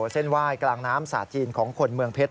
เส้นไหว้กลางน้ำสาดจีนของคนเมืองเพชร